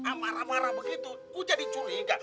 amarah marah begitu gue jadi curiga